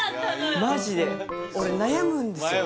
マジで俺悩むんですよ